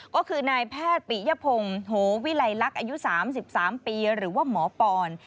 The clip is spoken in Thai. ก็คือนายแพทย์ปิยพงศ์โหวิลัยลักษณ์อายุ๓๓ปีหรือว่าหมอปอน